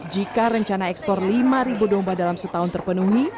jika rencana ekspor lima domba dalam setahun terpenuhi